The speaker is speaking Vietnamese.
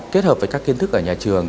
kết hợp với các kiến thức ở nhà trường